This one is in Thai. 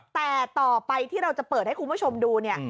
แต่ต่อไปที่เราจะเปิดให้คุณผู้ชมดูเนี่ย